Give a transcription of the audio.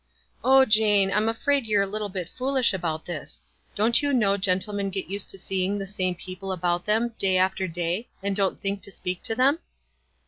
"O Jane, I'm afraid you're a little bit foolish about this. Don't you know gentlemen get used to seeing the same people about them day after day, and don't think to speak to them?"